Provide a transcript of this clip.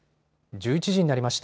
１１時になりました。